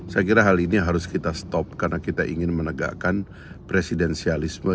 saya kira hal ini harus kita stop karena kita ingin menegakkan presidensialisme